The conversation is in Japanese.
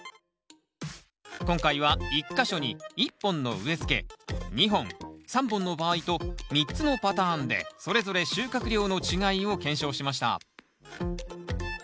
今回は１か所に１本の植えつけ２本３本の場合と３つのパターンでそれぞれ収穫量の違いを検証しました。